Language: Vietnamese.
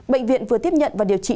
bệnh viện vừa tiếp nhận và điều trị